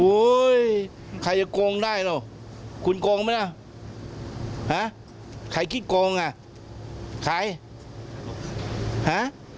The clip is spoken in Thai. อุ้ยใครจะโกงได้หรอคุณโกงไม่ได้ฮะใครคิดโกงอ่ะใครฮะ